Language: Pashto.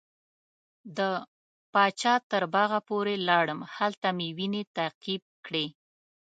د پاچا تر باغه پورې لاړم هلته مې وینې تعقیب کړې.